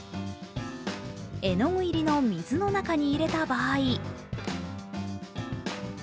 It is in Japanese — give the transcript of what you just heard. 絵の具入りの水の中に入れた場合